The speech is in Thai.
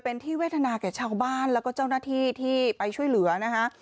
เป็นที่เวทนาแก่ชาวบ้านแล้วก็เจ้าหน้าที่ที่ไปช่วยเหลือนะคะ